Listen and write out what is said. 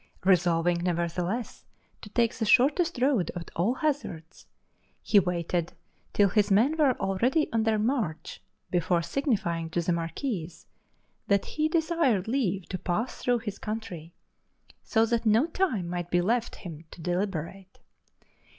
Resolving, nevertheless, to take the shortest road at all hazards, he waited till his men were already on their march before signifying to the marquis that he desired leave to pass through his country, so that no time might be left him to deliberate.